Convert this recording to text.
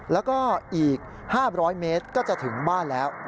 แล้วก็อีก๕๐๐เมตรก็จะถึงบ้านแล้ว